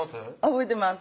覚えてます